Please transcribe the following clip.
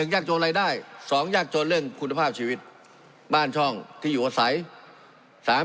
ยากจนรายได้๒ยากจนเรื่องคุณภาพชีวิตบ้านช่องที่อยู่อาศัย